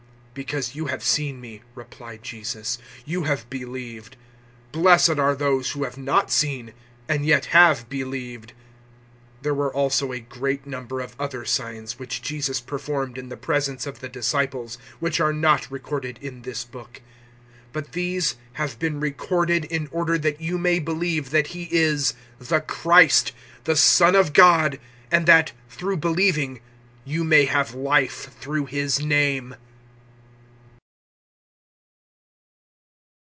020:029 "Because you have seen me," replied Jesus, "you have believed. Blessed are those who have not seen and yet have believed." 020:030 There were also a great number of other signs which Jesus performed in the presence of the disciples, which are not recorded in this book. 020:031 But these have been recorded in order that you may believe that He is the Christ, the Son of God, and that, through believing, you may have Life through His name.